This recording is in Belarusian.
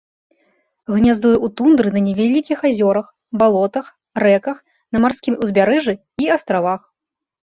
Гняздуе ў тундры на невялікіх азёрах, балотах, рэках, на марскім ўзбярэжжы і астравах.